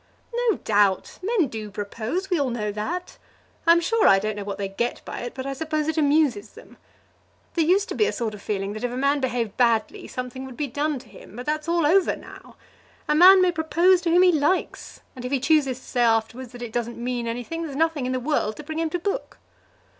"No doubt; men do propose. We all know that. I'm sure I don't know what they get by it, but I suppose it amuses them. There used to be a sort of feeling that if a man behaved badly something would be done to him; but that's all over now. A man may propose to whom he likes, and if he chooses to say afterwards that it doesn't mean anything, there's nothing in the world to bring him to book."